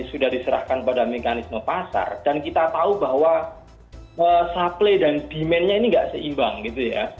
sudah diserahkan pada mekanisme pasar dan kita tahu bahwa supply dan demandnya ini nggak seimbang gitu ya